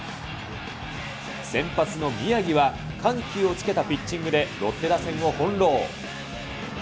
先発の宮城は、緩急をつけたピッチングでロッテ打線を翻弄。